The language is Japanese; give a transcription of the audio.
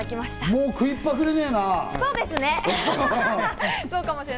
もう食いっぱぐれねぇな。